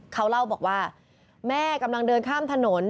เขาเล่าบอกว่าแม่กำลังเดินข้ามถนน